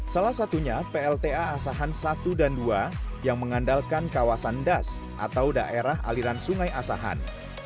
salah satunya plta asahan satu dan dua yang mengandalkan kawasan das atau daerah aliran sungai asahan